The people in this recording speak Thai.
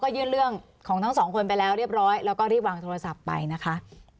ยื่นเรื่องของทั้งสองคนไปแล้วเรียบร้อยแล้วก็รีบวางโทรศัพท์ไปนะคะ